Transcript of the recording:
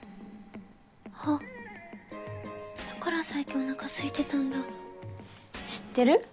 あっだから最近おなかすいてたんだ知ってる？